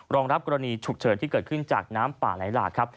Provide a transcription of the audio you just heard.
รองรับกรณีฉุกเฉินที่เกิดขึ้นจากน้ำป่าไหลหลากครับ